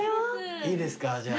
いいですかじゃあ。